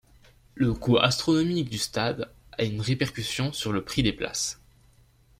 Le coût astronomique du stade a une répercussion sur le prix des places.